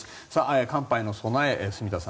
寒波への備え住田さん